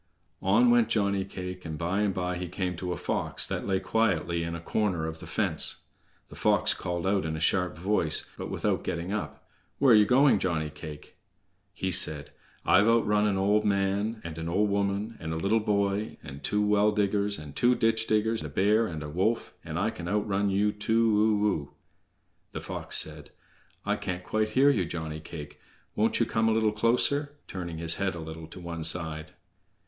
On went Johnny cake, and by and by he came to a fox that lay quietly in a corner of the fence. The fox called out in a sharp voice, but without getting up: "Where ye going, Johnny cake?" He said: "I've outrun an old man, and an old woman, and a little boy, and two well diggers, and two ditch diggers, a bear, and a wolf, and I can outrun you too o o!" The Fox said: "I can't quite hear you, Johnny cake. Won't you come a little closer?" turning his head a little to one side.